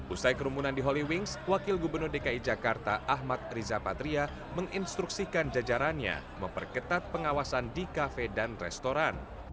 usai kerumunan di holy wings wakil gubernur dki jakarta ahmad riza patria menginstruksikan jajarannya memperketat pengawasan di kafe dan restoran